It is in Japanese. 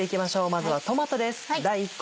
まずはトマトです。